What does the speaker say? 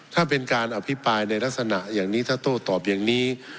ถ้าเป็นการอภิปรายในลักษณะอย่างนี้ถ้าโต้ตอบอย่างนี้